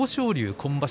今場所